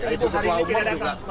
ibu ketua umum juga